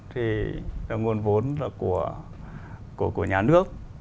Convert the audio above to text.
thì là nguồn vốn là của nhà nước